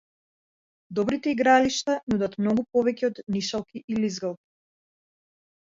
Добрите игралишта нудат многу повеќе од нишалки и лизгалки.